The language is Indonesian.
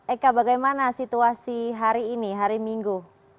eka bagaimana situasi hari ini hari minggu